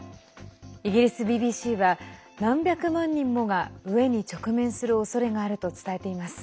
イギリスＢＢＣは何百万人もが飢えに直面するおそれがあると伝えています。